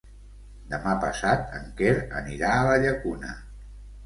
Demà passat en Quer anirà a la Llacuna.